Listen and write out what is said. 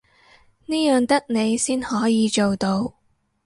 呢樣得你先可以做到